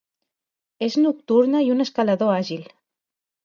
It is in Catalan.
És nocturna i un escalador àgil.